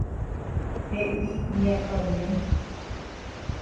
He'i ña Anu.